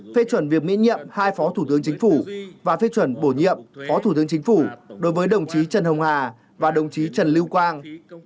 phê chuẩn việc miễn nhiệm hai phó thủ tướng chính phủ và phê chuẩn bổ nhiệm phó thủ tướng chính phủ đối với đồng chí trần hồng hà và đồng chí trần lưu quang